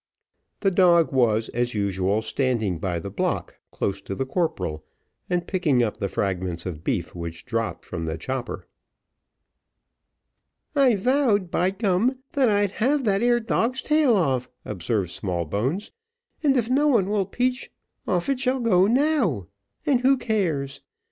The dog was, as usual, standing by the block close to the corporal, and picking up the fragments of beef which dropped from the chopper. "I vowed by gum, that I'd have that ere dog's tail off," observed Smallbones; "and if no one will peach, off it shall go now. And who cares?